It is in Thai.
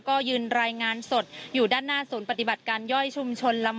ก็ยืนรายงานสดอยู่ด้านหน้าศูนย์ปฏิบัติการย่อยชุมชนลำ